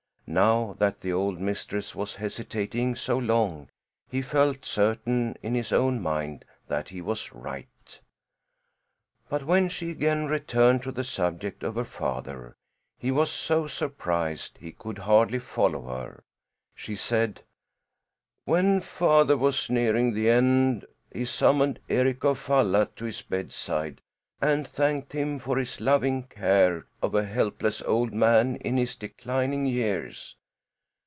Now that the old mistress was hesitating so long he felt certain in his own mind that he was right. But when she again returned to the subject of her father, he was so surprised he could hardly follow her. She said: "When father was nearing the end he summoned Eric of Falla to his bedside and thanked him for his loving care of a helpless old man in his declining years.